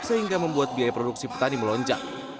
sehingga membuat biaya produksi petani melonjak